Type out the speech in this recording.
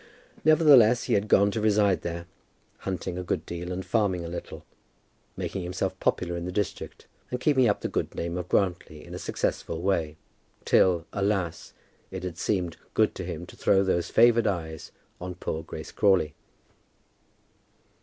Nevertheless he had gone to reside there, hunting a good deal and farming a little, making himself popular in the district, and keeping up the good name of Grantly in a successful way, till alas, it had seemed good to him to throw those favouring eyes on poor Grace Crawley.